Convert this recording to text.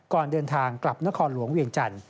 ก่อนเดินทางกลับนครหลวงเวียงจันทร์